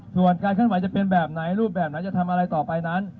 ส่วนการเคลื่อนไหวจะเป็นแบบไหนรูปแบบไหนจะทำอะไรต่อไปนั้น